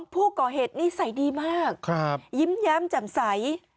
๒ผู้ก่อเหตุนี่ใส่ดีมากยิ้มแย้มจำใส